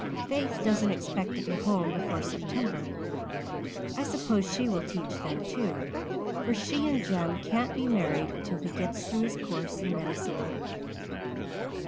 Faith doesn't expect to be home before September. I suppose she will teach then too, for she and Jem can't be married until he gets through his course in medicine.